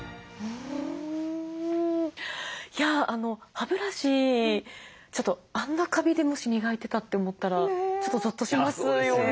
歯ブラシちょっとあんなカビでもし磨いてたって思ったらちょっとぞっとしますよね。